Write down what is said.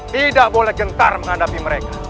tidak boleh gentar menghadapi mereka